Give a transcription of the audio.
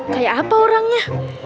kayak apa orangnya